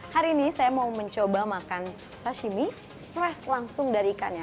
hari ini saya mau mencoba makan sashimi fresh langsung dari ikannya